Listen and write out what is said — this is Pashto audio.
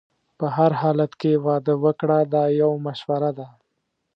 په هر حالت کې واده وکړه دا یو مشوره ده.